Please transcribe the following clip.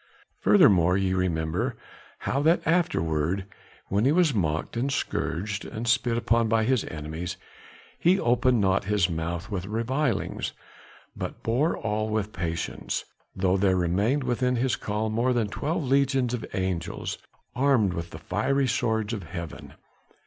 Furthermore, ye remember how that afterward, when he was mocked and scourged and spit upon by his enemies, he opened not his mouth with revilings, but bore all with patience, though there remained within his call more than twelve legions of angels, armed with the fiery swords of heaven.